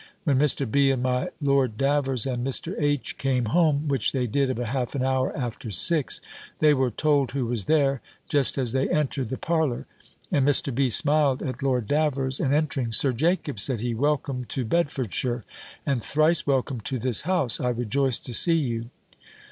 When Mr. B. and my Lord Davers, and Mr. H. came home, which they did about half an hour after six, they were told who was there, just as they entered the parlour; and Mr. B. smiled at Lord Davers, and entering, "Sir Jacob," said he, "welcome to Bedfordshire; and thrice welcome to this house; I rejoice to see you."